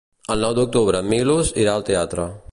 El nou d'octubre en Milos irà al teatre.